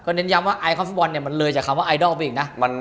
ก็เน้นย้ำว่าไอคอนฟุตบอลเนี่ย